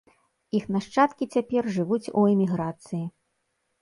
Іх нашчадкі цяпер жывуць у эміграцыі.